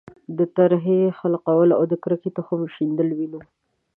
د ترهې خلقول او د کرکې تخم شیندل وینو.